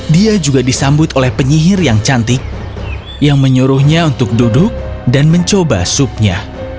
dia juga disambut oleh penyihir yang cantik yang menyuruhnya untuk duduk dan mencoba supnya